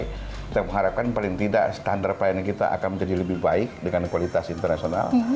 kita mengharapkan paling tidak standar pelayanan kita akan menjadi lebih baik dengan kualitas internasional